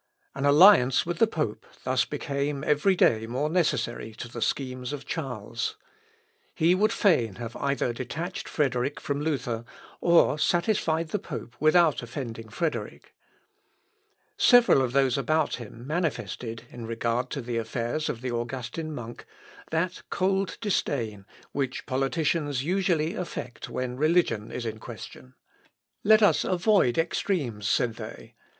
An alliance with the pope thus became every day more necessary to the schemes of Charles. He would fain have either detached Frederick from Luther, or satisfied the pope without offending Frederick. Several of those about him manifested, in regard to the affairs of the Augustin monk, that cold disdain which politicians usually affect when religion is in question. "Let us avoid extremes," said they.